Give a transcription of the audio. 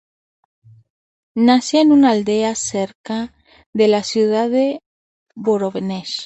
Nació en una aldea cerca de la ciudad de Vorónezh.